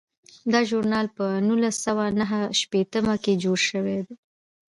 دا ژورنال په نولس سوه نهه شپیته کې جوړ شو.